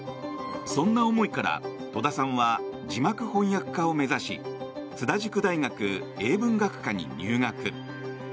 そんな思いから、戸田さんは字幕翻訳家を目指し津田塾大学英文学科に入学。